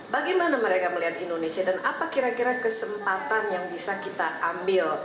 bagaimana mereka melihat indonesia dan apa kira kira kesempatan yang bisa kita ambil